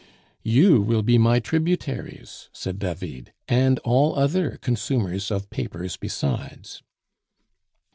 "You will be my tributaries," said David, "and all other consumers of papers besides."